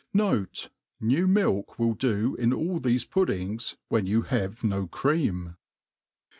Note, nevir milk will do in all thefe puddings,* when ybil have ho cream.